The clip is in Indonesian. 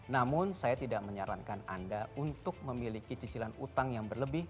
namun saya tidak menyarankan anda untuk memiliki cicilan utang yang berlebih